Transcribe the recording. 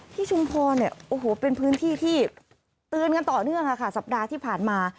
ชุมพรเนี่ยโอ้โหเป็นพื้นที่ที่เตือนกันต่อเนื่องค่ะสัปดาห์ที่ผ่านมา